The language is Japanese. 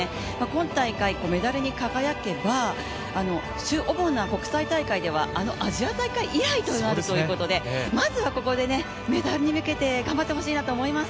今大会メダルに輝けば、主な国際大会ではあのアジア大会以来となるということで、まずはここでメダルに向けて頑張ってほしいなと思います。